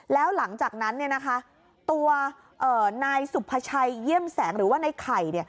แล้วหลังจากนั้นตัวนายสุภาชัยเยี่ยมแสงหรือว่าในไข่